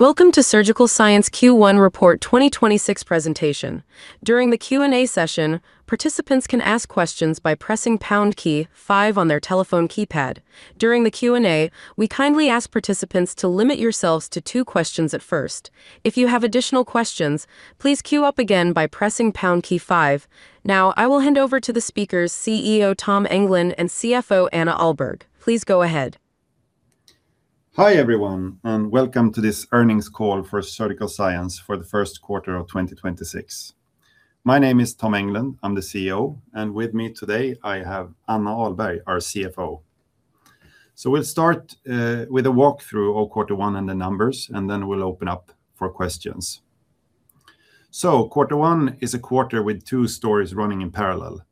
Welcome to Surgical Science Q1 Report 2026 presentation. During the Q&A session, participants can ask questions by pressing pound key five on their telephone keypad. During the Q&A, we kindly ask participants to limit yourselves to two questions at first. If you have additional questions, please queue up again by pressing pound key five. I will hand over to the speakers, CEO Tom Englund and CFO Anna Ahlberg. Please go ahead. Hi everyone and welcome to this earnings call for Surgical Science for the first quarter of 2026. My name is Tom Englund, I'm the CEO, and with me today I have Anna Ahlberg, our CFO. We'll start with a walkthrough of quarter one and the numbers, and then we'll open up for questions. Quarter one is a quarter with two stories running in parallel.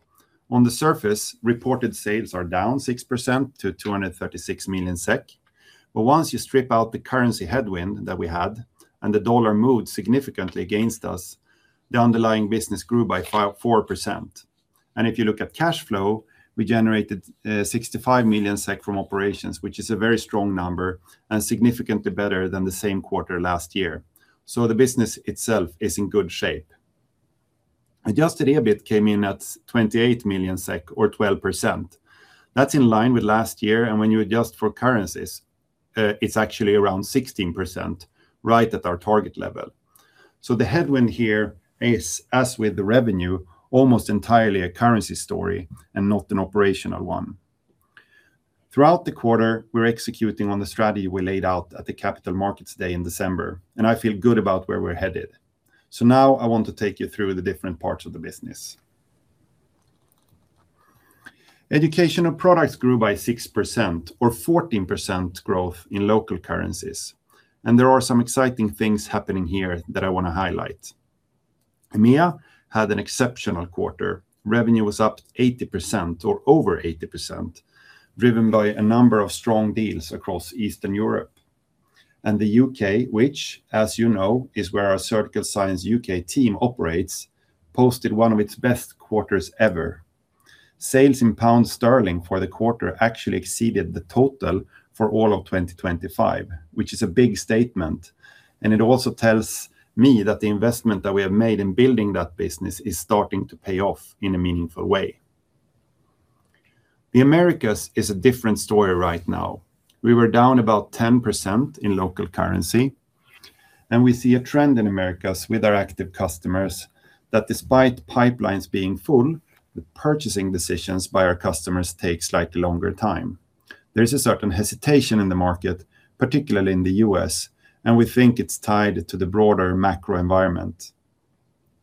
On the surface, reported sales are down 6% to 236 million SEK. Once you strip out the currency headwind that we had and the dollar moved significantly against us, the underlying business grew by 4%. If you look at cash flow, we generated 65 million SEK from operations, which is a very strong number and significantly better than the same quarter last year. The business itself is in good shape. Adjusted EBIT came in at 28 million SEK, or 12%. That's in line with last year, and when you adjust for currencies, it's actually around 16%, right at our target level. The headwind here is, as with the revenue, almost entirely a currency story and not an operational one. Throughout the quarter, we're executing on the strategy we laid out at the Capital Markets Day in December, and I feel good about where we're headed. Now I want to take you through the different parts of the business. Educational Products grew by 6%, or 14% growth in local currencies, and there are some exciting things happening here that I want to highlight. EMEA had an exceptional quarter. Revenue was up 80%, or over 80%, driven by a number of strong deals across Eastern Europe. The U.K., which as you know is where our Surgical Science U.K. team operates, posted one of its best quarters ever. Sales in pound sterling for the quarter actually exceeded the total for all of 2025, which is a big statement. It also tells me that the investment that we have made in building that business is starting to pay off in a meaningful way. The Americas is a different story right now. We were down about 10% in local currency. We see a trend in Americas with our active customers that despite pipelines being full, the purchasing decisions by our customers take slightly longer time. There is a certain hesitation in the market, particularly in the U.S. We think it's tied to the broader macro environment.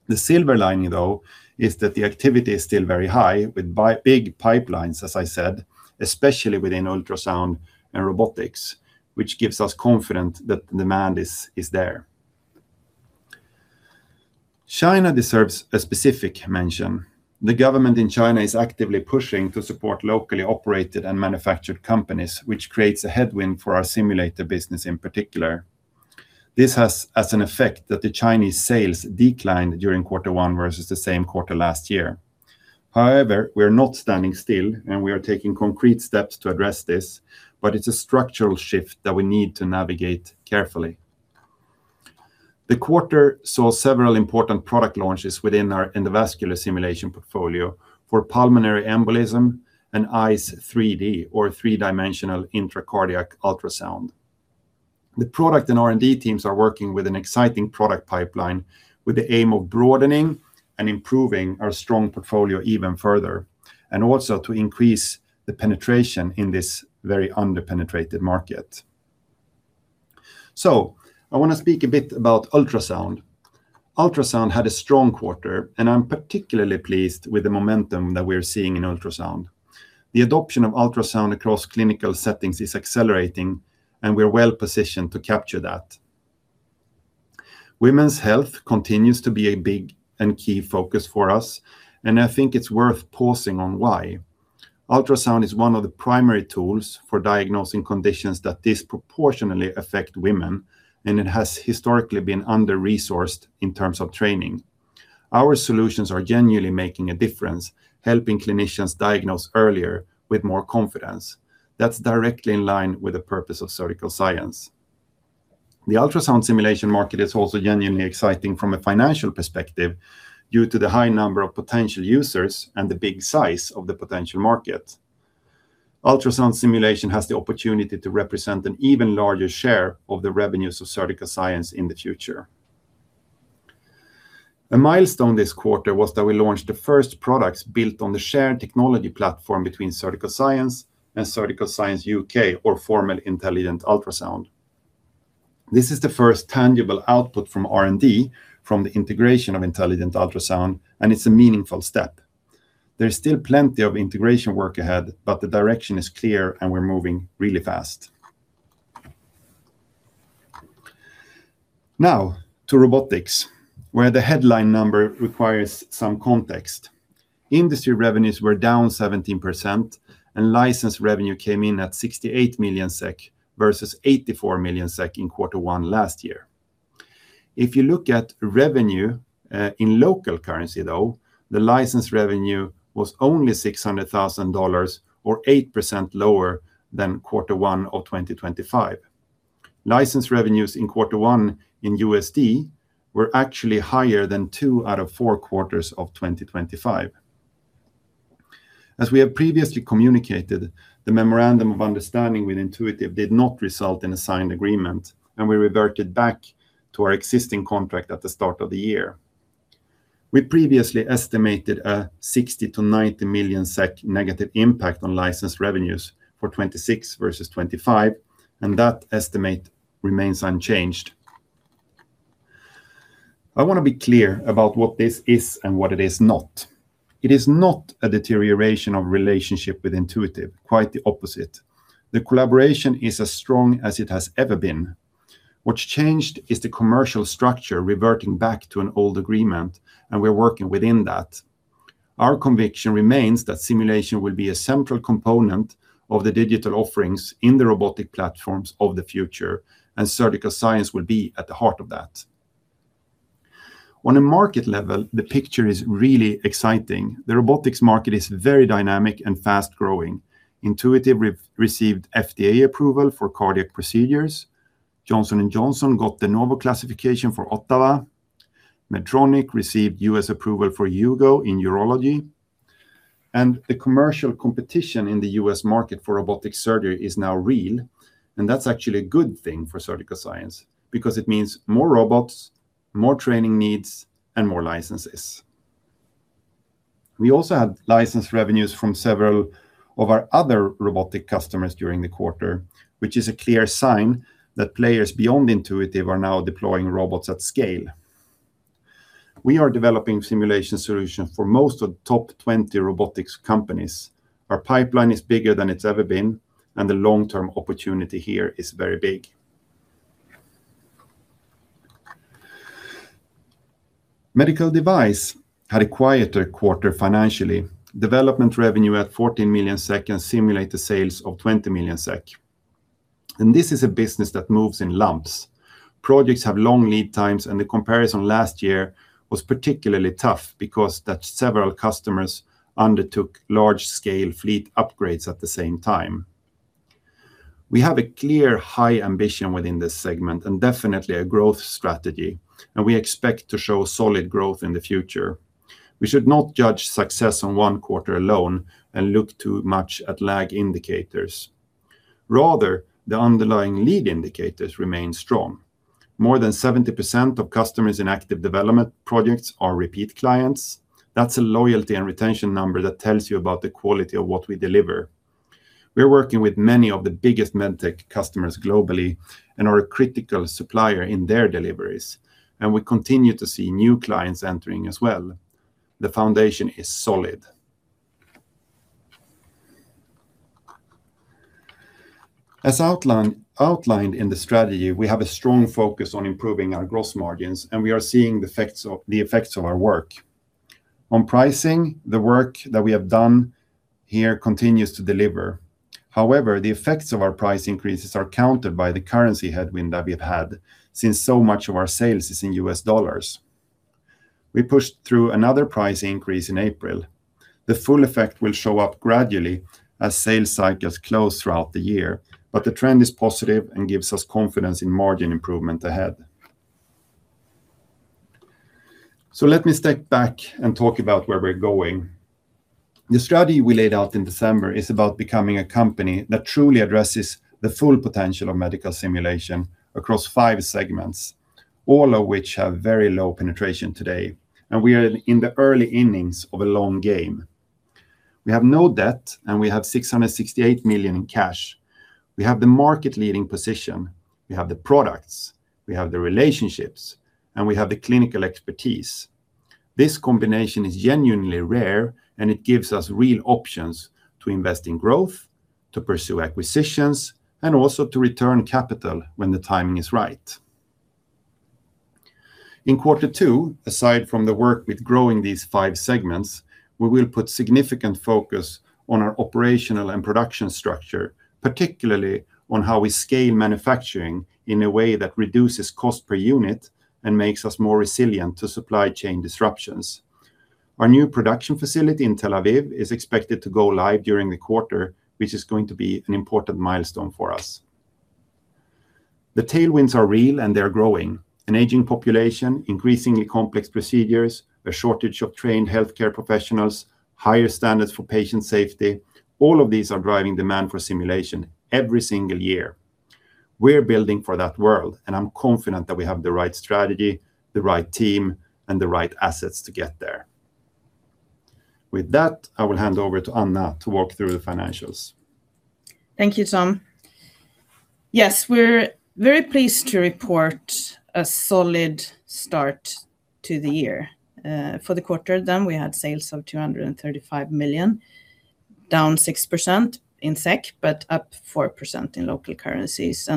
The silver lining though is that the activity is still very high with big pipelines, as I said, especially within ultrasound and robotics, which gives us confidence that the demand is there. China deserves a specific mention. The government in China is actively pushing to support locally operated and manufactured companies, which creates a headwind for our simulator business in particular. This has as an effect that the Chinese sales declined during Q1 versus the same quarter last year. However, we are not standing still and we are taking concrete steps to address this, but it's a structural shift that we need to navigate carefully. The quarter saw several important product launches within our endovascular simulation portfolio for pulmonary embolism and ICE 3D, or three-dimensional intracardiac ultrasound. The product and R&D teams are working with an exciting product pipeline with the aim of broadening and improving our strong portfolio even further, and also to increase the penetration in this very underpenetrated market. I want to speak a bit about ultrasound. Ultrasound had a strong quarter, and I'm particularly pleased with the momentum that we're seeing in ultrasound. The adoption of ultrasound across clinical settings is accelerating, and we're well positioned to capture that. Women's health continues to be a big and key focus for us, and I think it's worth pausing on why. Ultrasound is one of the primary tools for diagnosing conditions that disproportionately affect women, and it has historically been under-resourced in terms of training. Our solutions are genuinely making a difference, helping clinicians diagnose earlier with more confidence. That's directly in line with the purpose of Surgical Science. The ultrasound simulation market is also genuinely exciting from a financial perspective due to the high number of potential users and the big size of the potential market. Ultrasound simulation has the opportunity to represent an even larger share of the revenues of Surgical Science in the future. A milestone this quarter was that we launched the first products built on the shared technology platform between Surgical Science and Surgical Science UK, or formerly Intelligent Ultrasound. This is the first tangible output from R&D from the integration of Intelligent Ultrasound, and it's a meaningful step. There's still plenty of integration work ahead, but the direction is clear and we're moving really fast. To Robotics, where the headline number requires some context. Industry revenues were down 17%, and license revenue came in at 68 million SEK versus 84 million SEK in quarter one last year. If you look at revenue in local currency, though, the license revenue was only $600,000, or 8% lower than quarter one of 2025. License revenues in quarter one in USD were actually higher than two out of four quarters of 2025. As we have previously communicated, the memorandum of understanding with Intuitive did not result in a signed agreement, and we reverted back to our existing contract at the start of the year. We previously estimated a 60 million-90 million SEK negative impact on license revenues for 2026 versus 2025. That estimate remains unchanged. I want to be clear about what this is and what it is not. It is not a deterioration of relationship with Intuitive, quite the opposite. The collaboration is as strong as it has ever been. What's changed is the commercial structure reverting back to an old agreement, and we're working within that. Our conviction remains that simulation will be a central component of the digital offerings in the robotic platforms of the future, and Surgical Science will be at the heart of that. On a market level, the picture is really exciting. The robotics market is very dynamic and fast growing. Intuitive received FDA approval for cardiac procedures. Johnson & Johnson got the De Novo classification for OTTAVA. Medtronic received U.S. approval for Hugo in urology. The commercial competition in the U.S. market for robotic surgery is now real, and that's actually a good thing for Surgical Science because it means more robots, more training needs, and more licenses. We also had license revenues from several of our other robotic customers during the quarter, which is a clear sign that players beyond Intuitive are now deploying robots at scale. We are developing simulation solutions for most of the top 20 robotics companies. Our pipeline is bigger than it's ever been, and the long-term opportunity here is very big. Medical Device had a quieter quarter financially. Development revenue at 14 million SEK and simulated sales of 20 million SEK. This is a business that moves in lumps. Projects have long lead times, and the comparison last year was particularly tough because several customers undertook large-scale fleet upgrades at the same time. We have a clear high ambition within this segment and definitely a growth strategy, and we expect to show solid growth in the future. We should not judge success on one quarter alone and look too much at lag indicators. Rather, the underlying lead indicators remain strong. More than 70% of customers in active development projects are repeat clients. That's a loyalty and retention number that tells you about the quality of what we deliver. We're working with many of the biggest medtech customers globally and are a critical supplier in their deliveries, and we continue to see new clients entering as well. The foundation is solid. As outlined in the strategy, we have a strong focus on improving our gross margins, and we are seeing the effects of our work on pricing. The work that we have done here continues to deliver. However, the effects of our price increases are countered by the currency headwind that we've had since so much of our sales is in U.S. dollars. We pushed through another price increase in April. The full effect will show up gradually as sales cycles close throughout the year. The trend is positive and gives us confidence in margin improvement ahead. Let me step back and talk about where we're going. The strategy we laid out in December is about becoming a company that truly addresses the full potential of medical simulation across five segments, all of which have very low penetration today. We are in the early innings of a long game. We have no debt. We have 668 million in cash. We have the market-leading position, we have the products, we have the relationships. We have the clinical expertise. This combination is genuinely rare, and it gives us real options to invest in growth to pursue acquisitions, and also to return capital when the timing is right. In Q2, aside from the work with growing these five segments, we will put significant focus on our operational and production structure, particularly on how we scale manufacturing in a way that reduces cost per unit and makes us more resilient to supply chain disruptions. Our new production facility in Tel Aviv is expected to go live during the quarter which is going to be an important milestone for us. The tailwinds are real and they're growing. An aging population, increasingly complex procedures, a shortage of trained healthcare professionals, higher standards for patient safety, all of these are driving demand for simulation every single year. We're building for that world, and I'm confident that we have the right strategy, the right team, and the right assets to get there. With that, I will hand over to Anna to walk through the financials. Thank you, Tom. Yes, we're very pleased to report a solid start to the year. For the quarter, we had sales of 235 million, down 6% in SEK but up 4% in local currencies.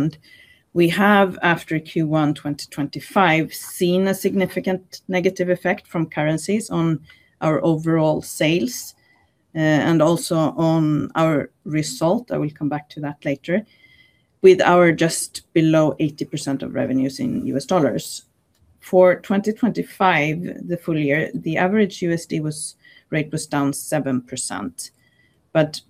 We have, after Q1 2025, seen a significant negative effect from currencies on our overall sales and also on our result. I will come back to that later. With our just below 80% of revenues in U.S. dollars for 2025, the full year, the average USD rate was down 7%.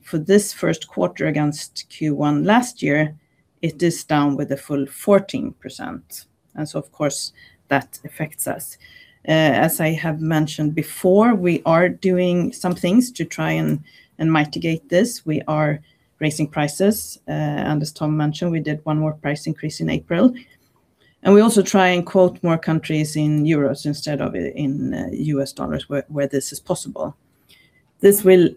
For this first quarter against Q1 last year, it is down with a full 14%. Of course that affects us. As I have mentioned before, we are doing some things to try and mitigate this. We are raising prices, and as Tom mentioned, we did one more price increase in April. We also try and quote more countries in euros instead of in U.S. dollars where this is possible. This will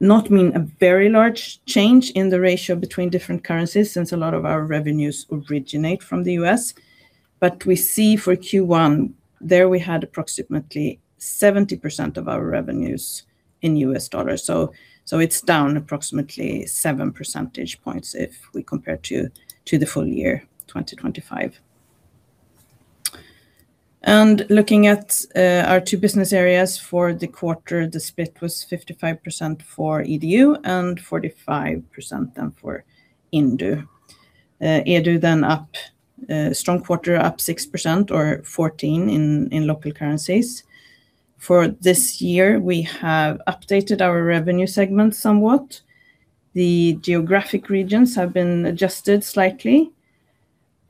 not mean a very large change in the ratio between different currencies since a lot of our revenues originate from the U.S. We see for Q1 there we had approximately 70% of our revenues in U.S. dollars. It's down approximately seven percentage points if we compare to the full year 2025. Looking at our two business areas for the quarter, the split was 55% for EDU and 45% then Indu. EDU up, strong quarter, up 6% or 14% in local currencies. For this year, we have updated our revenue segments somewhat. The geographic regions have been adjusted slightly.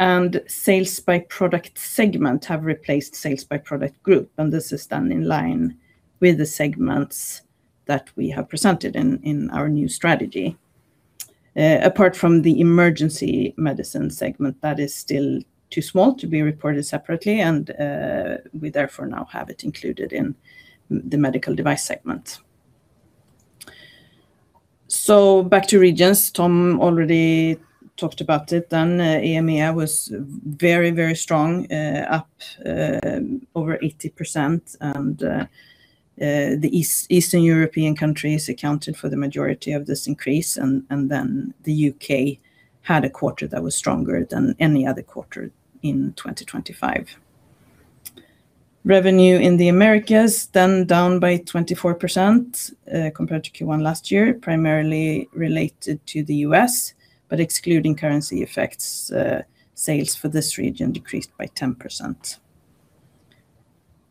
Sales by product segment have replaced sales by product group. This is done in line with the segments that we have presented in our new strategy, apart from the Emergency Medicine segment that is still too small to be reported separately. We therefore now have it included in the Medical Device segments. Back to regions, Tom already talked about it. EMEA was very strong, up over 80%. Eastern European countries accounted for the majority of this increase. The U.K. had a quarter that was stronger than any other quarter in 2025. Revenue in the Americas down by 24% compared to Q1 last year, primarily related to the U.S. Excluding currency effects, sales for this region decreased by 10%.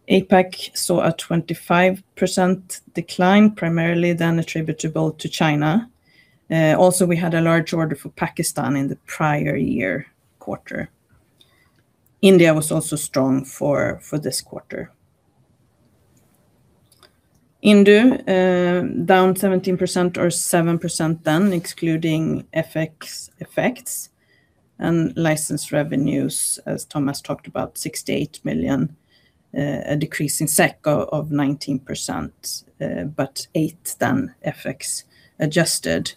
APAC saw a 25% decline, primarily then attributable to China. We also had a large order for Pakistan in the prior year quarter. India was also strong for this quarter. Indu, down 17% or 7% then excluding FX effects. License revenues, as Tom Englund talked about, 68 million, a decrease in SEK of 19%, but 8% then FX adjusted.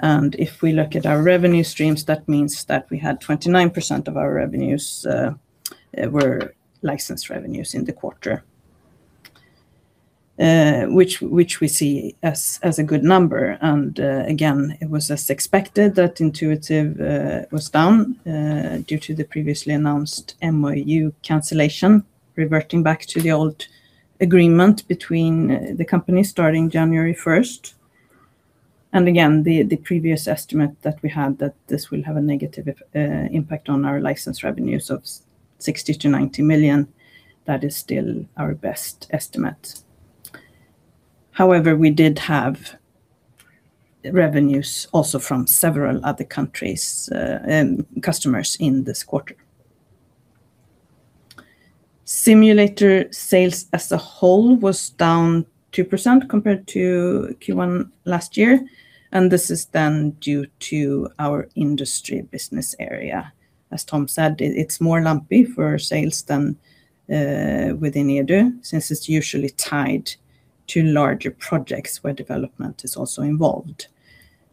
If we look at our revenue streams, that means that we had 29% of our revenues were license revenues in the quarter, which we see as a good number. Again, it was as expected that Intuitive was down due to the previously announced MOU cancellation, reverting back to the old agreement between the companies starting January 1st. The previous estimate that we had that this will have a negative impact on our license revenues of 60 million-90 million, that is still our best estimate. However, we did have revenues also from several other countries and customers in this quarter. Simulator sales as a whole was down 2% compared to Q1 last year, this is due to our Industrial business area. As Tom Englund said, it's more lumpy for sales than within EDU since it's usually tied to larger projects where development is also involved.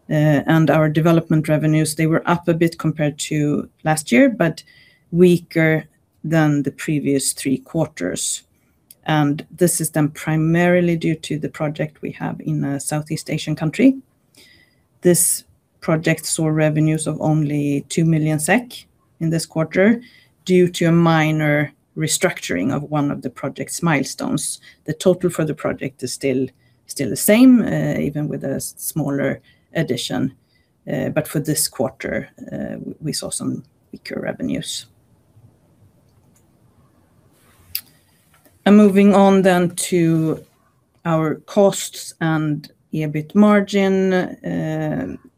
Our development revenues, they were up a bit compared to last year but weaker than the previous three quarters. This is primarily due to the project we have in a Southeast Asian country. This project saw revenues of only 2 million SEK in this quarter due to a minor restructuring of one of the project's milestones. The total for the project is still the same, even with a smaller addition, for this quarter, we saw some weaker revenues. Moving on then to our costs and EBIT margin,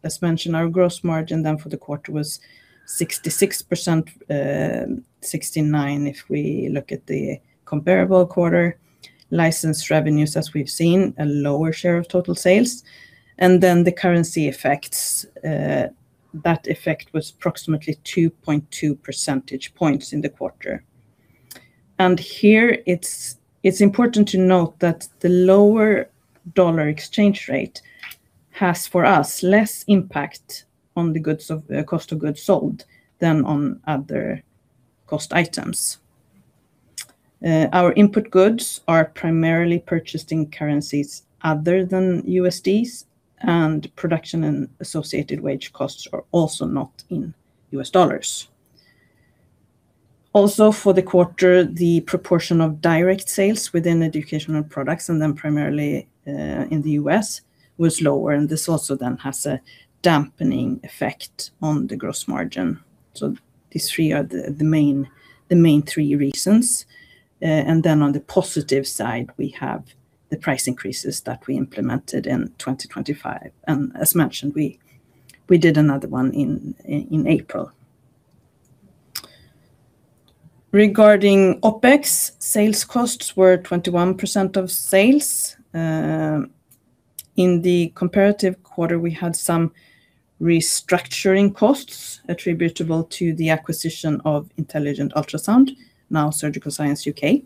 as mentioned, our gross margin then for the quarter was 66%, 69% if we look at the comparable quarter. License revenues, as we've seen, a lower share of total sales. Then the currency effects, that effect was approximately 2.2 percentage points in the quarter. Here it's important to note that the lower dollar exchange rate has for us less impact on the goods of cost of goods sold than on other cost items. Our input goods are primarily purchased in currencies other than USD. Production and associated wage costs are also not in U.S. dollars. Also for the quarter, the proportion of direct sales within Educational Products, and then primarily in the U.S. was lower, and this also then has a dampening effect on the gross margin. These three are the main three reasons. On the positive side, we have the price increases that we implemented in 2025, and as mentioned, we did another one in April. Regarding OpEx, Sales costs were 21% of sales. In the comparative quarter, we had some restructuring costs attributable to the acquisition of Intelligent Ultrasound, now Surgical Science UK.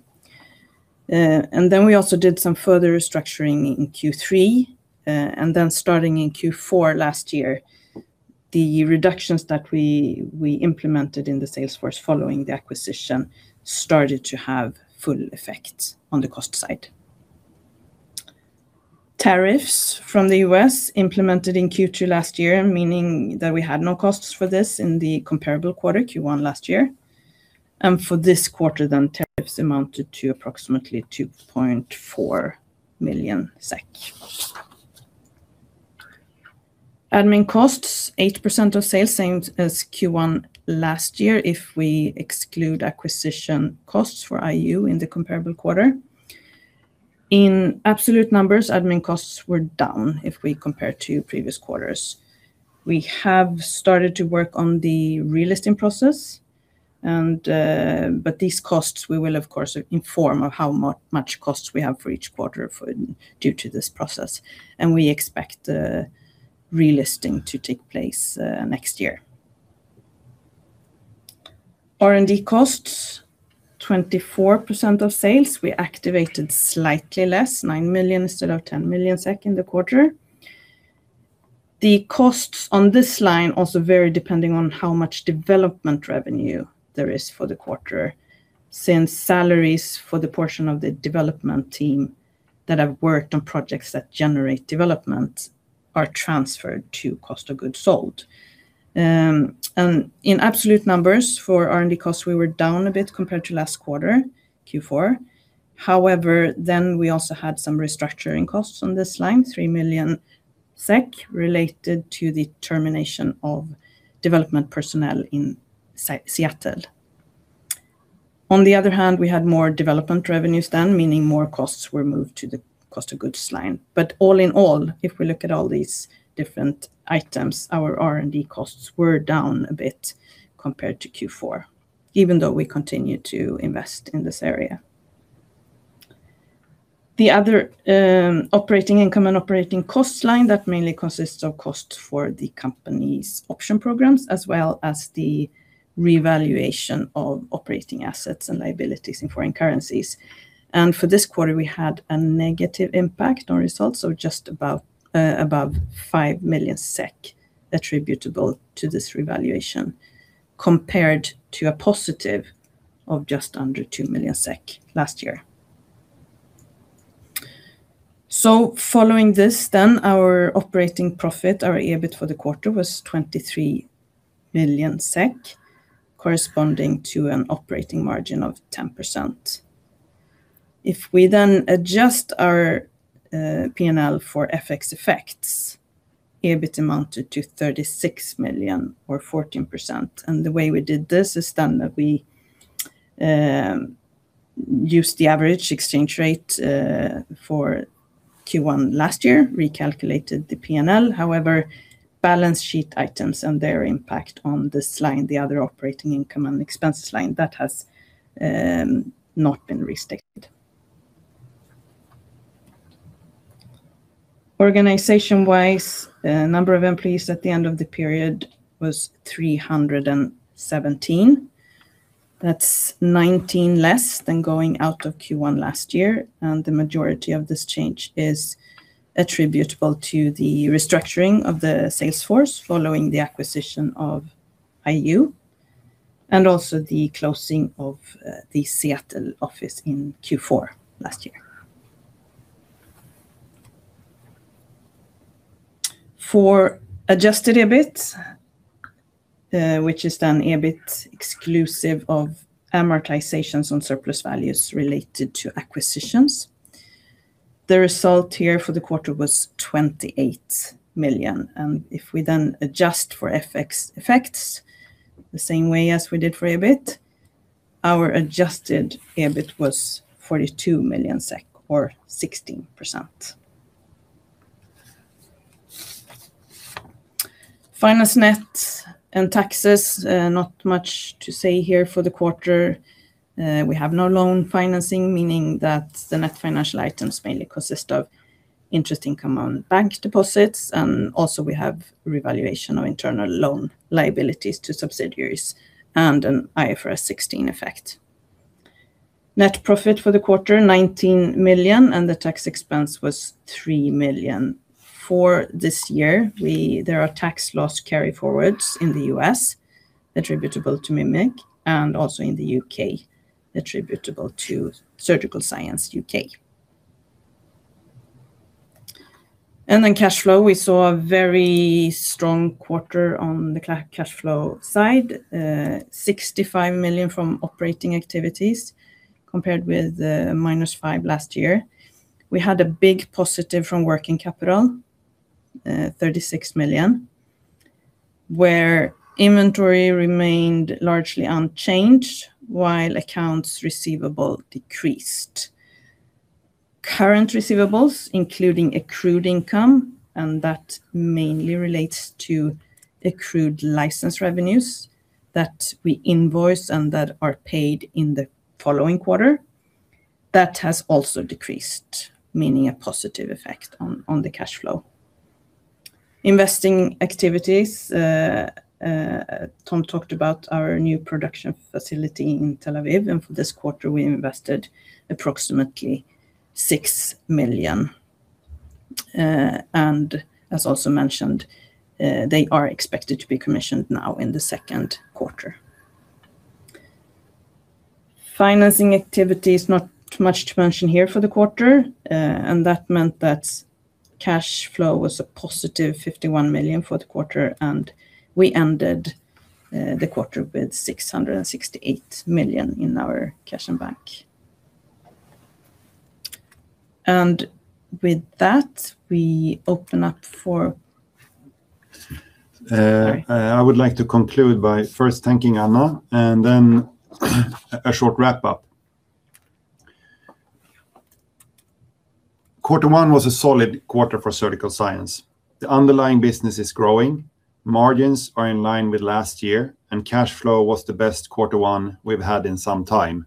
Then we also did some further restructuring in Q3. Starting in Q4 last year, the reductions that we implemented in the sales force following the acquisition started to have full effects on the cost side. Tariffs from the U.S. implemented in Q2 last year, meaning that we had no costs for this in the comparable quarter, Q1 last year. For this quarter, tariffs amounted to approximately 2.4 million SEK. Admin costs, 8% of sales, same as Q1 last year if we exclude acquisition costs for IU in the comparable quarter. In absolute numbers, admin costs were down if we compare to previous quarters. We have started to work on the relisting process, and, but these costs we will of course inform of how much costs we have for each quarter due to this process, and we expect the relisting to take place next year. R&D costs, 24% of sales. We activated slightly less, 9 million instead of 10 million SEK, second quarter. The costs on this line also vary depending on how much development revenue there is for the quarter, since salaries for the portion of the development team that have worked on projects that generate development are transferred to cost of goods sold. In absolute numbers, for R&D costs, we were down a bit compared to last quarter, Q4. However, then we also had some restructuring costs on this line, 3 million SEK, related to the termination of development personnel in Seattle. On the other hand, we had more development revenues then, meaning more costs were moved to cost of goods line. All in all, if we look at all these different items, our R&D costs were down a bit compared to Q4, even though we continue to invest in this area. The other operating income and operating cost line, that mainly consists of cost for the company's option programs as well as the revaluation of operating assets and liabilities in foreign currencies. For this quarter, we had a negative impact on results of just about above 5 million SEK attributable to this revaluation, compared to a positive of just under 2 million SEK last year. Following this, our operating profit, our EBIT for the quarter, was 23 million SEK, corresponding to an operating margin of 10%. If we adjust our P&L for FX effects, EBIT amounted to 36 million, or 14%. The way we did this is done that we use the average exchange rate for Q1 last year, recalculated the P&L. However, balance sheet items and their impact on this line, the other operating income and expenses line, that has not been restated. Organization-wise, the number of employees at the end of the period was 317. That's 19 less than going out of Q1 last year, and the majority of this change is attributable to the restructuring of the sales force following the acquisition of IU and also the closing of the Seattle office in Q4 last year. For adjusted EBIT, which is then EBIT exclusive of amortizations on surplus values related to acquisitions. The result here for the quarter was 28 million, and if we then adjust for FX effects the same way as we did for EBIT, our adjusted EBIT was 42 million SEK, or 16%. Finance net and taxes, not much to say here for the quarter. We have no loan financing, meaning that the net financial items mainly consist of interest income on bank deposits. Also, we have revaluation of internal loan liabilities to subsidiaries and an IFRS 16 effect. Net profit for the quarter, 19 million. The tax expense was 3 million. For this year, there are tax loss carryforwards in the U.S. Attributable to Mimic. Also, in the U.K. attributable to Surgical Science UK. Cash flow, we saw a very strong quarter on the cash flow side, 65 million from operating activities compared with -5 last year. We had a big positive from working capital 36 million, where inventory remained largely unchanged while accounts receivable decreased. Current receivables, including accrued income, and that mainly relates to accrued license revenues that we invoice and that are paid in the following quarter, that has also decreased. Meaning a positive effect on the cash flow. Investing activities. Tom talked about our new production facility in Tel Aviv. For this quarter we invested approximately SEK 6 million. As also mentioned, they are expected to be commissioned now in the second quarter. Financing activities, not much to mention here for the quarter. That meant that cash flow was a positive 51 million for the quarter. We ended the quarter with 668 million in our cash in bank. With that, we open up for. I would like to conclude by first thanking Anna and then a short wrap-up. Quarter one was a solid quarter for Surgical Science. The underlying business is growing, margins are in line with last year, and cash flow was the best quarter one we've had in some time.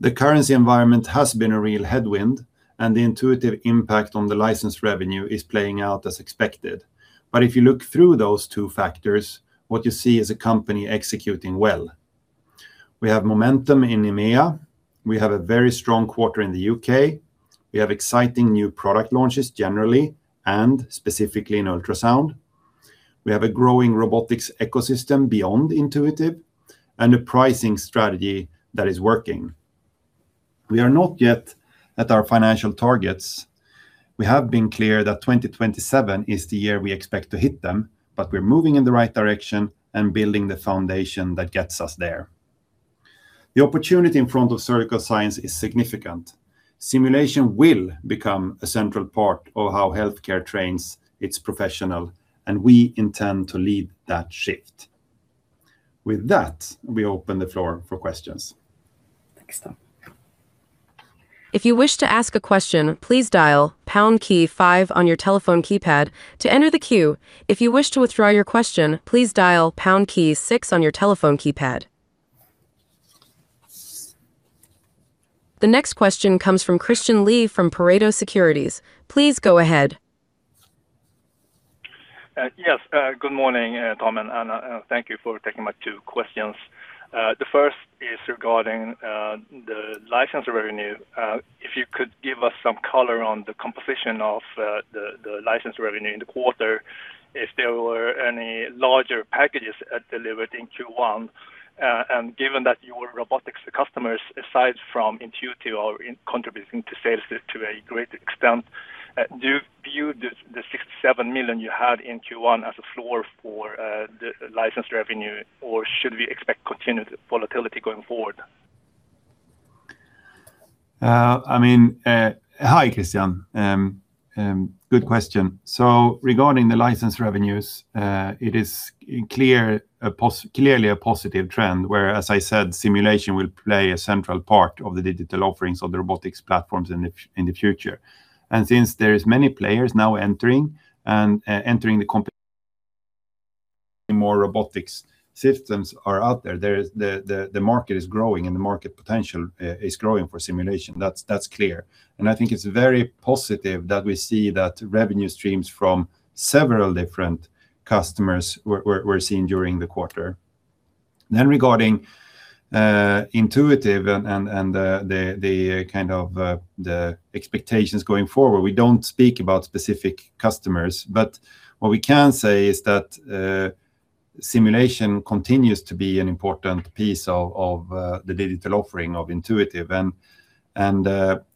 The currency environment has been a real headwind, and the Intuitive impact on the license revenue is playing out as expected. If you look through those two factors, what you see is a company executing well. We have momentum in EMEA. We have a very strong quarter in the U.K. We have exciting new product launches generally and specifically in ultrasound. We have a growing robotics ecosystem beyond Intuitive and a pricing strategy that is working. We are not yet at our financial targets. We have been clear that 2027 is the year we expect to hit them. We're moving in the right direction and building the foundation that gets us there. The opportunity in front of Surgical Science is significant. Simulation will become a central part of how healthcare trains its professionals, and we intend to lead that shift. With that, we open the floor for questions. Thanks, Tom. If you wish to ask a question please dial pound key five on your telephone keypad to enter the queue. If you wish to withdraw your question please dial pound key six on your telephone keypad. The next question comes from Christian Lee from Pareto Securities. Please go ahead. Yes. Good morning, Tom and Anna. Thank you for taking my two questions. The first is regarding the license revenue. If you could give us some color on the composition of the license revenue in the quarter. If there were any larger packages delivered in Q1. Given that your robotics customers, aside from Intuitive, are contributing to sales to a great extent, do you view the 67 million you had in Q1 as a floor for the license revenue, or should we expect continued volatility going forward? I mean, hi, Christian. Good question. Regarding the license revenues, it is clearly a positive trend where, as I said, simulation will play a central part of the digital offerings of the robotics platforms in the future. Since there is many players now entering the competition, more robotics systems are out there. The market is growing and the market potential is growing for simulation. That's clear. I think it's very positive that we see that revenue streams from several different customers were seen during the quarter. Regarding Intuitive and the kind of the expectations going forward, we don't speak about specific customers, but what we can say is that simulation continues to be an important piece of the digital offering of Intuitive and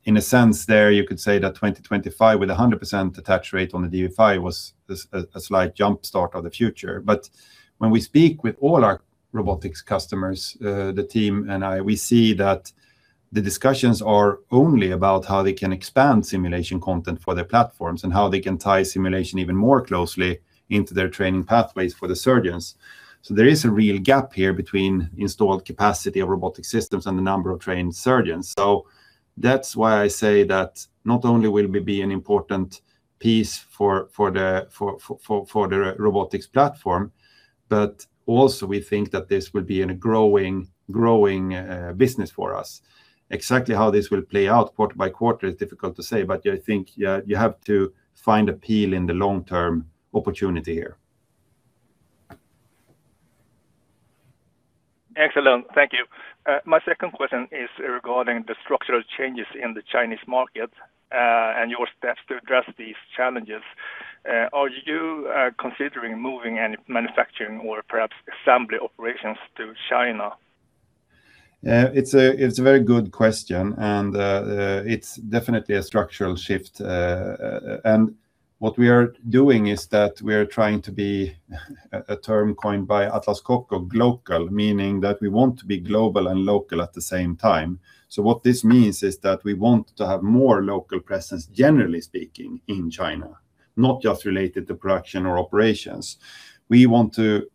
in a sense there you could say that 2025 with 100% attach rate on the da Vinci 5 was a slight jump start of the future. When we speak with all our robotics customers, the team and I, we see that the discussions are only about how they can expand simulation content for their platforms and how they can tie simulation even more closely into their training pathways for the surgeons. There is a real gap here between installed capacity of robotic systems and the number of trained surgeons. That's why I say that not only will we be an important piece for the robotics platform, but also we think that this will be a growing business for us. Exactly how this will play out quarter by quarter is difficult to say, but I think you have to find appeal in the long-term opportunity here. Excellent, thank you. My second question is regarding the structural changes in the Chinese market and your steps to address these challenges. Are you considering moving any manufacturing or perhaps assembly operations to China? It's a very good question, and it's definitely a structural shift. What we are doing is that we are trying to be a term coined by Atlas Copco, "glocal," meaning that we want to be global and local at the same time. What this means is that we want to have more local presence, generally speaking, in China, not just related to production or operations. We want to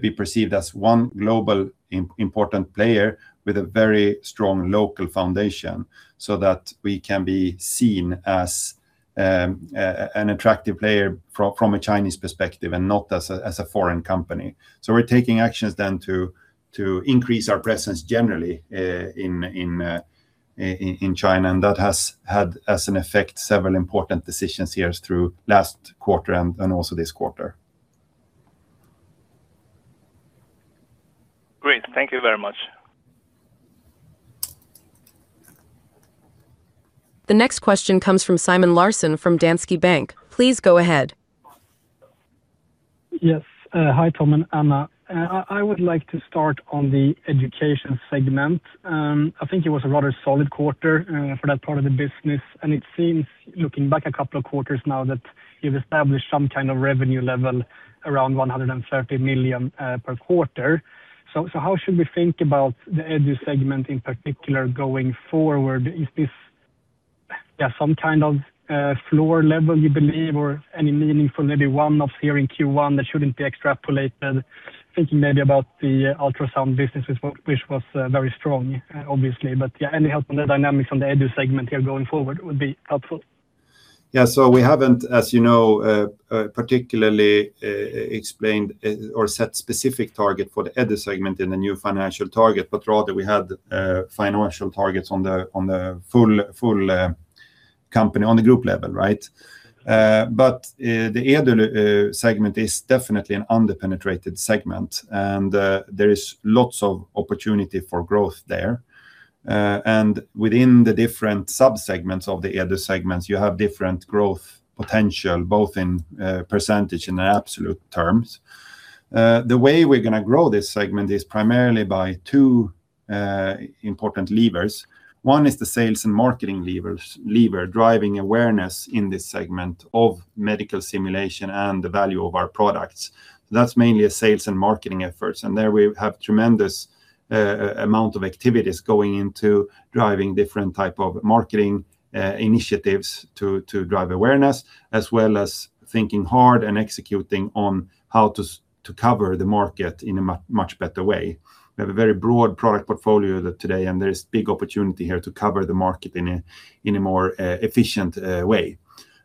be perceived as one global important player with a very strong local foundation so that we can be seen as an attractive player from a Chinese perspective and not as a foreign company. We're taking actions then to increase our presence generally in China, and that has had as an effect several important decisions here through last quarter and also this quarter. Great, thank you very much. The next question comes from Simon Larsson from Danske Bank. Please go ahead. Yes. Hi, Tom and Anna. I would like to start on the Education segment. I think it was a rather solid quarter for that part of the business. It seems, looking back a couple of quarters now, that you've established some kind of revenue level around 130 million per quarter. How should we think about the EDU segment in particular going forward? Is this some kind of floor level, you believe, or any meaningful maybe one-offs here in Q1 that shouldn't be extrapolated? Thinking maybe about the ultrasound business, which was very strong, obviously. Yeah, any help on the dynamics on the EDU segment here going forward would be helpful. Yeah. We haven't, as you know, particularly explained or set specific target for the EDU segment in the new financial target. Broader, we had financial targets on the full company, on the group level, right? The EDU segment is definitely an underpenetrated segment, and there is lots of opportunity for growth there. Within the different sub-segments of the EDU segments, you have different growth potential, both in percentage and absolute terms. The way we're going to grow this segment is primarily by two important levers. One is the sales and marketing lever driving awareness in this segment of medical simulation and the value of our products. That's mainly sales and marketing efforts. There we have tremendous amount of activities going into driving different type of marketing initiatives to drive awareness as well as thinking hard and executing on how to cover the market in a much better way. We have a very broad product portfolio today. There's big opportunity here to cover the market in a more efficient way.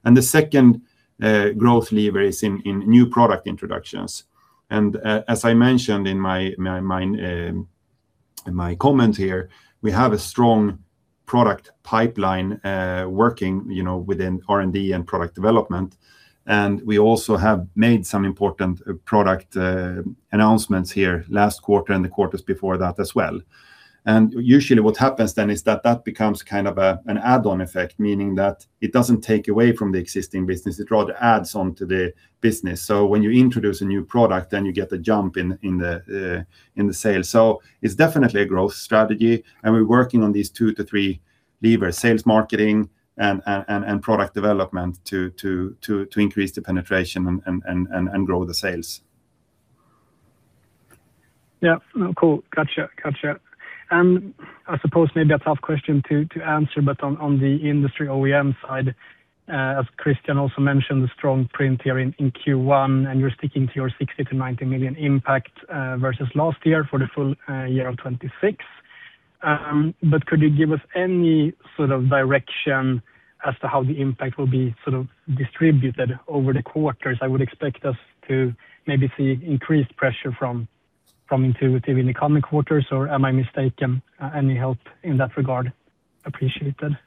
The second growth lever is in new product introductions. As I mentioned in my comment here, we have a strong product pipeline working, you know, within R&D and product development. We also have made some important product announcements here last quarter and the quarters before that as well. Usually what happens then is that becomes kind of an add-on effect, meaning that it doesn't take away from the existing business, it rather adds on to the business. When you introduce a new product, then you get the jump in the sales. It's definitely a growth strategy, and we're working on these two to three levers, sales, marketing, and product development to increase the penetration and grow the sales. Yeah, cool. Gotcha, gotcha. I suppose maybe a tough question to answer, but on the industry OEM side, as Christian also mentioned, the strong print here in Q1, and you're sticking to your 60 million-90 million impact versus last year for the full year of 2026. Could you give us any sort of direction as to how the impact will be sort of distributed over the quarters? I would expect us to maybe see increased pressure from Intuitive in the coming quarters, or am I mistaken? Any help in that regard appreciated.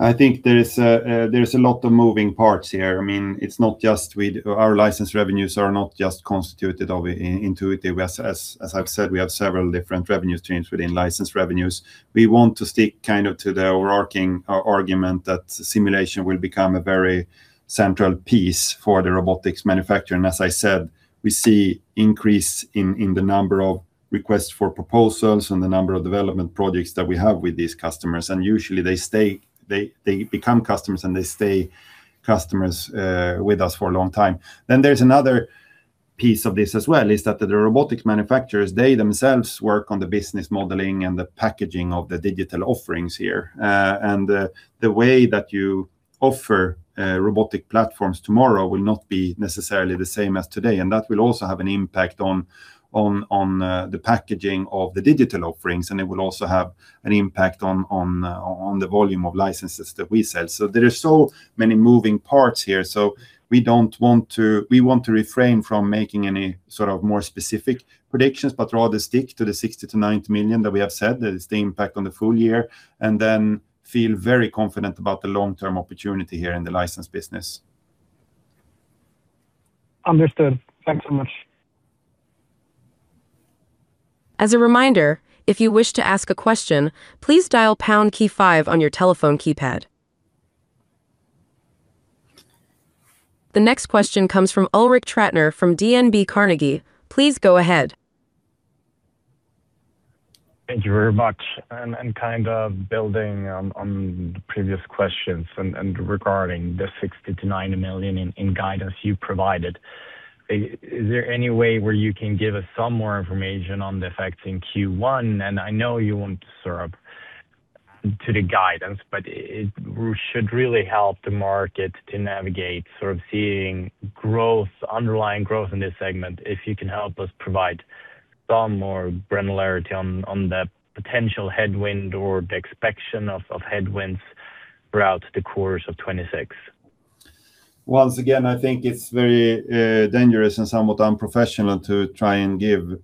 I think there is a lot of moving parts here. I mean, it's our license revenues are not just constituted of Intuitive as I've said, we have several different revenue streams within license revenues. We want to stick kind of to the overarching argument that simulation will become a very central piece for the robotics manufacturing. As I said, we see increase in the number of requests for proposals and the number of development projects that we have with these customers. Usually they become customers and they stay customers with us for a long time. There's another piece of this as well is that the robotic manufacturers, they themselves work on the business modeling and the packaging of the digital offerings here. The way that you offer robotic platforms tomorrow will not be necessarily the same as today, and that will also have an impact on the packaging of the digital offerings, and it will also have an impact on the volume of licenses that we sell. There are so many moving parts here, so we want to refrain from making any sort of more specific predictions, but rather stick to the 60 million-90 million that we have said that is the impact on the full year, and then feel very confident about the long-term opportunity here in the license business. Understood. Thanks so much. As a reminder, if you wish to ask a question, please dial pound key five on your telephone keypad. The next question comes from Ulrik Trattner from DNB Carnegie. Please go ahead. Thank you very much. Kind of building on the previous questions and regarding the 60 million-90 million in guidance you provided, is there any way where you can give us some more information on the effects in Q1? I know you won't sort of to the guidance, but it should really help the market to navigate sort of seeing growth, underlying growth in this segment, if you can help us provide some more granularity on that potential headwind or the expectation of headwinds throughout the course of 2026. Once again, I think it's very dangerous and somewhat unprofessional to try and give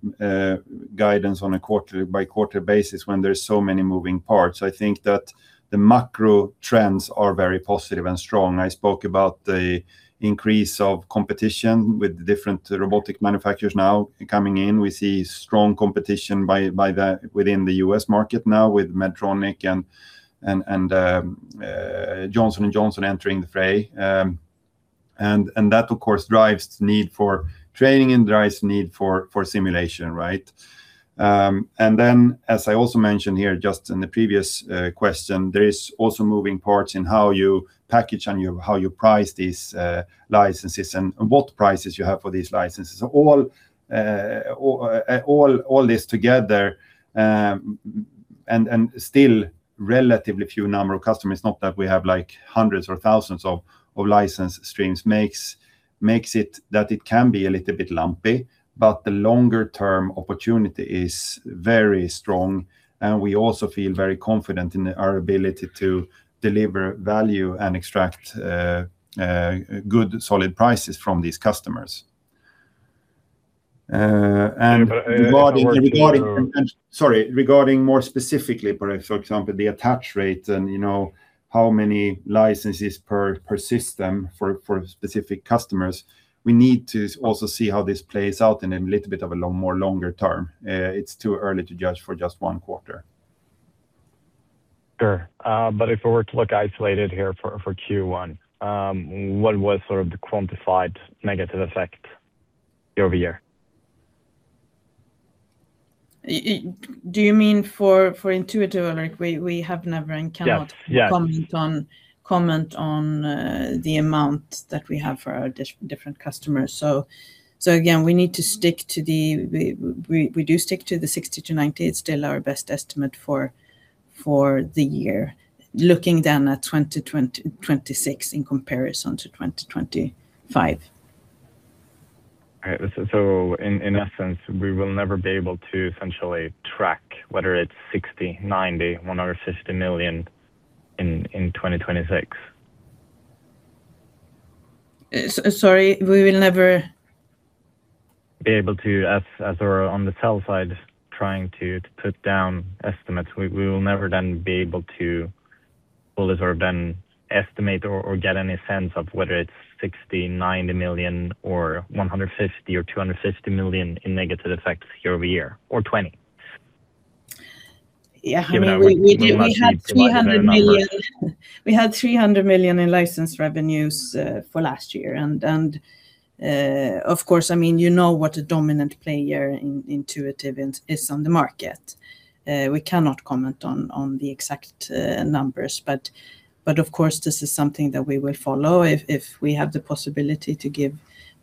guidance on a quarter-by-quarter basis when there's so many moving parts. I think that the macro trends are very positive and strong. I spoke about the increase of competition with different robotic manufacturers now coming in. We see strong competition by that within the U.S. market now with Medtronic and Johnson & Johnson entering the fray. That of course drives the need for training and drives need for simulation, right. As I also mentioned here just in the previous question, there is also moving parts in how you package and how you price these licenses and what prices you have for these licenses. All this together and still relatively few number of customers, not that we have like hundreds or thousands of license streams makes it that it can be a little bit lumpy, but the longer-term opportunity is very strong. We also feel very confident in our ability to deliver value and extract good solid prices from these customers. Sorry, regarding more specifically, for example, the attach rate and, you know, how many licenses per system for specific customers. We need to also see how this plays out in a little bit of a longer term. It's too early to judge for just one quarter. Sure, if we were to look isolated here for Q1, what was sort of the quantified negative effect year-over-year? Do you mean for Intuitive? We have never and cannot comment on the amount that we have for our different customers. Again, we do stick to the 60 million-90 million. It's still our best estimate for the year, looking down at 2026 in comparison to 2025. In essence, we will never be able to essentially track whether it's 60 million, 90 million, 150 million in 2026. Sorry, we will never- Be able to, as we're on the sell side trying to put down estimates, we will never then be able to pull this or then estimate or get any sense of whether it's 60 million, 90 million or 150 million or 250 million in negative effects year-over-year, or 20 million. Yeah, we had 300 million in license revenues for last year. Of course, I mean, you know what the dominant player in Intuitive is on the market. We cannot comment on the exact numbers, but of course, this is something that we will follow if we have the possibility to give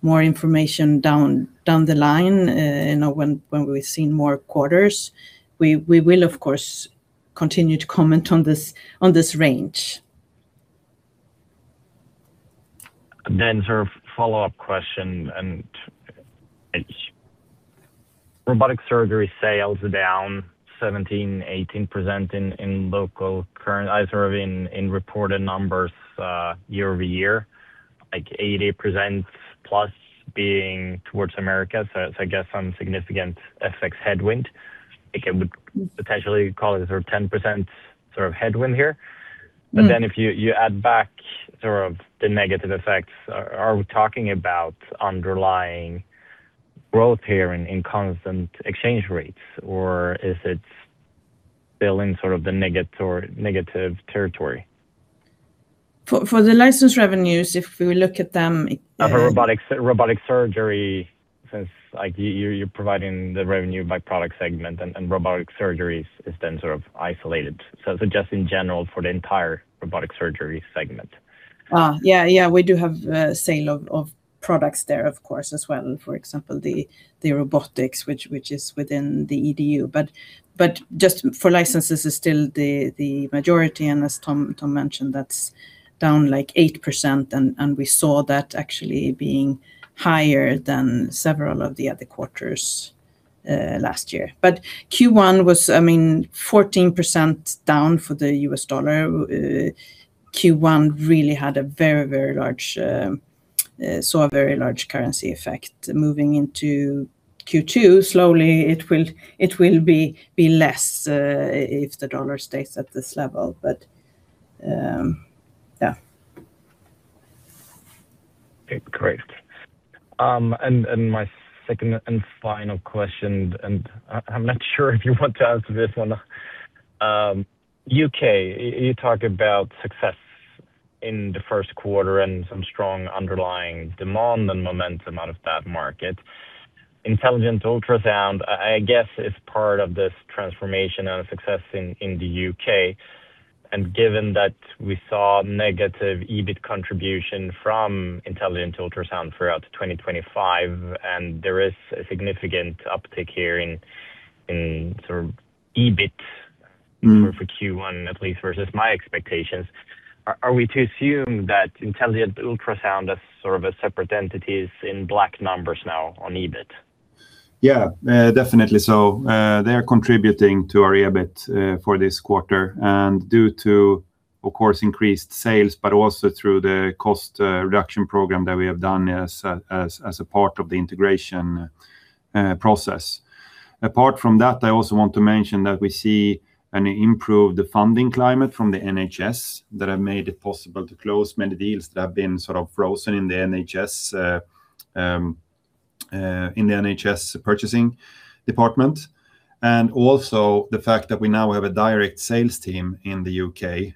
more information down the line, you know, when we've seen more quarters. We will, of course, continue to comment on this range. Sort of follow-up question. Robotic surgery sales are down 17%, 18% in local current in reported numbers year-over-year. Like 80% plus being towards America. I guess some significant FX headwind, it could potentially call it a 10% sort of headwind here. If you add back sort of the negative effects, are we talking about underlying growth here in constant exchange rates or is it still in sort of the negative territory? For the license revenues, if we look at them- Of robotics, robotic surgery, since like you're providing the revenue by product segment and robotic surgery is then sort of isolated. Just in general for the entire robotic surgery segment. Yeah, yeah, we do have a sale of products there of course as well. For example, the robotics, which is within the EDU, but just for licenses is still the majority. As Tom mentioned, that's down like 8%, and we saw that actually being higher than several of the other quarters last year. Q1 was, I mean, 14% down for the U.S. dollar. Q1 really had a very large currency effect. Moving into Q2, slowly it will be less if the dollar stays at this level. Yeah. Okay, great. My second and final question, I'm not sure if you want to answer this one. U.K., you talk about success in the first quarter and some strong underlying demand and momentum out of that market. Intelligent Ultrasound, I guess, it's part of this transformation and success in the U.K. Given that we saw negative EBIT contribution from Intelligent Ultrasound throughout 2025 and there is a significant uptick here in sort of EBIT for Q1 at least versus my expectations, are we to assume that Intelligent Ultrasound as sort of a separate entity is in black numbers now on EBIT? Yeah, definitely. They are contributing to our EBIT for this quarter, and due to of course increased sales, but also through the cost reduction program that we have done as a part of the integration process. Apart from that, I also want to mention that we see an improved funding climate from the NHS that have made it possible to close many deals that have been sort of frozen in the NHS purchasing department. Also the fact that we now have a direct sales team in the U.K.,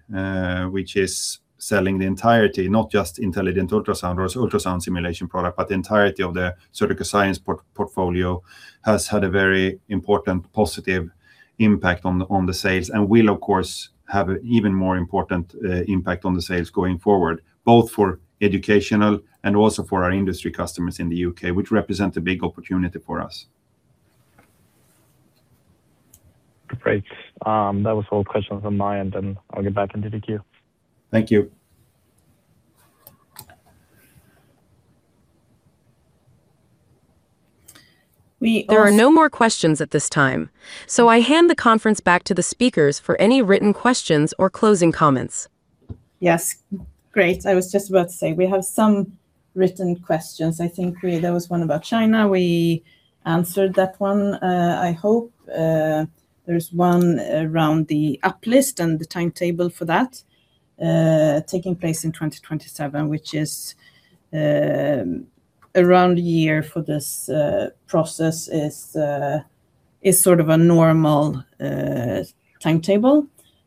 which is selling the entirety, not just Intelligent Ultrasound or ultrasound simulation product, but the entirety of the Surgical Science portfolio, has had a very important positive impact on the sales and will of course have an even more important impact on the sales going forward. Both for educational and also for our industry customers in the U.K., which represent a big opportunity for us. Great. That was all questions on my end, and I'll get back into the queue. Thank you. There are no more questions at this time. I hand the conference back to the speakers for any written questions or closing comments. Yes, great. I was just about to say we have some written questions. I think there was one about China, we answered that one, I hope. There's one around the Uplist and the timetable for that, taking place in 2027, which is around year for this process is sort of a normal timetable,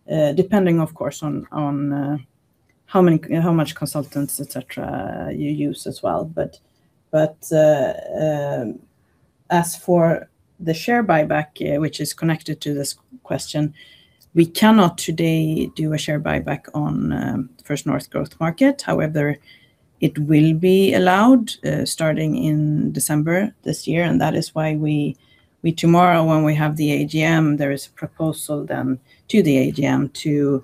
depending of course on how many, how much consultants, etc., you use as well. But as for the share buyback, which is connected to this question, we cannot today do a share buyback on Nasdaq First North Growth Market. However, it will be allowed starting in December this year, and that is why we tomorrow when we have the AGM, there is a proposal to the AGM to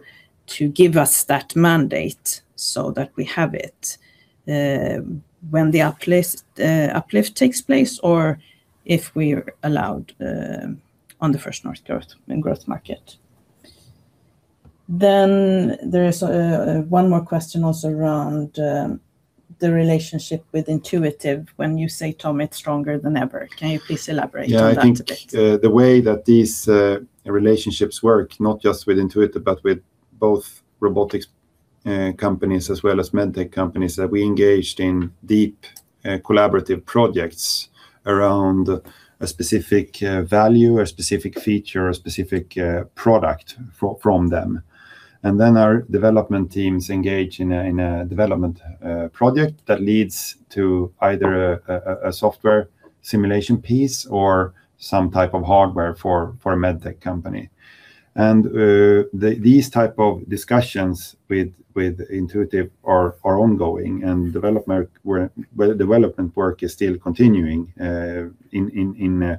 give us that mandate so that we have it when the uplisting takes place, or if we're allowed on the First North Growth Market. There is one more question also around the relationship with Intuitive when you say, Tom, it's stronger than ever? Can you please elaborate on that a bit? The way that these relationships work, not just with Intuitive, but with both robotics companies as well as medtech companies, that we engaged in deep collaborative projects around a specific value, a specific feature, a specific product from them. Then our development teams engage in a development project that leads to either a software simulation piece or some type of hardware for a medtech company. These type of discussions with Intuitive are ongoing, and development work is still continuing in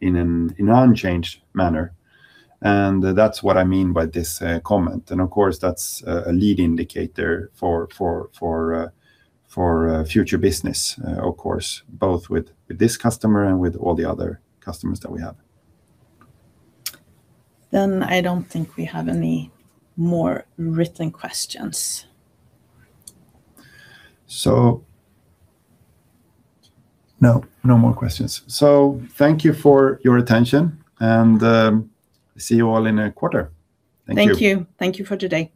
an unchanged manner. That's what I mean by this comment. Of course, that's a lead indicator for future business, of course, both with this customer and with all the other customers that we have. I don't think we have any more written questions. No more questions. Thank you for your attention and see you all in a quarter. Thank you. Thank you for today. Bye-bye.